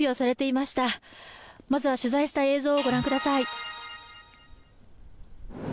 まずは取材した映像をご覧ください。